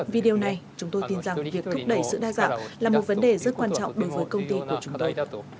video này chúng tôi tin rằng việc thúc đẩy sự đa dạng là một vấn đề rất quan trọng đối với công ty của chúng tôi